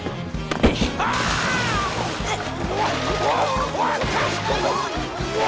あっ！！